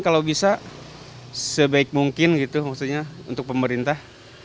kalau bisa sebaik mungkin untuk pemerintah